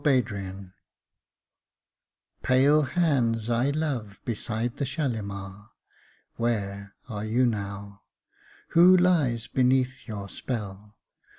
Kashmiri Song Pale hands I love beside the Shalimar, Where are you now? Who lies beneath your spell?